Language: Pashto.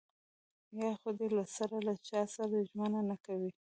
يا خو دې له سره له چاسره ژمنه نه کوي.